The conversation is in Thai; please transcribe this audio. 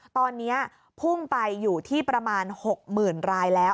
ตอนนี้พุ่งไปอยู่ที่ประมาณ๖๐๐๐รายแล้ว